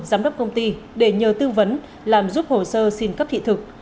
giám đốc công ty để nhờ tư vấn làm giúp hồ sơ xin cấp thị thực